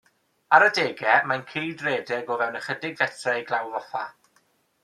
Ar adegau mae'n cydredeg o fewn ychydig fetrau i Glawdd Offa.